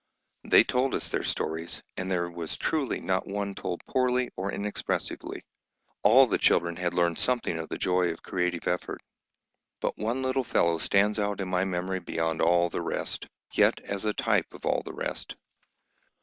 They told us their stories, and there was truly not one told poorly or inexpressively; all the children had learned something of the joy of creative effort. But one little fellow stands out in my memory beyond all the rest, yet as a type of all the rest.